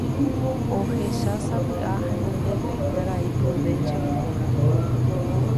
ohechásapy'a henondépe karai Prudencio pórape